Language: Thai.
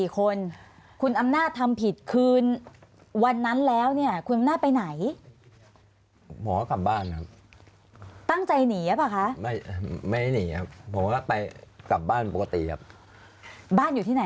๔คนคุณอำนาจทำผิดขึ้นวันนั้นแล้วเนี่ยคุณอำนาจไปไหน